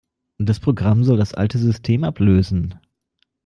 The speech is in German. Das Programm soll das alte System ablösen.